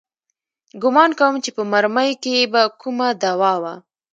ګومان کوم چې په مرمۍ کښې به کومه دوا وه.